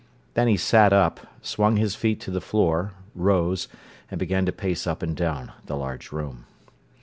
Then he sat up, swung his feet to the floor, rose, and began to pace up and down the large room.